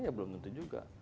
ya belum tentu juga